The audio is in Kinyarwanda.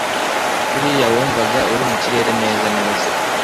buriya wumvaga uri mukirere neza neza